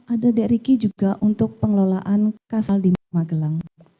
ada dek riki juga untuk pengelolaan kas operasional di magelang